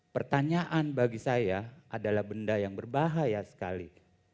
pertanyaan bagi saya adalah benda yang berbahaya sekali